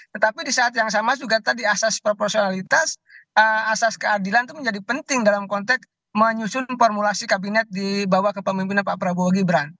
tetapi di saat yang sama juga tadi asas proporsionalitas asas keadilan itu menjadi penting dalam konteks menyusun formulasi kabinet dibawa ke pemimpinan pak prabowo gibran